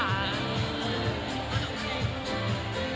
มันก็มาก